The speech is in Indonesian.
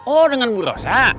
oh dengan ibu rosa